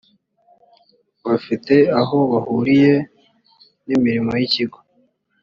bafite aho bahuriye n’imirimo y’ikigo